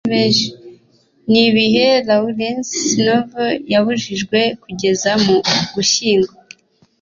Nibihe Lawrence Novel yabujijwe kugeza mu Gushyingo ?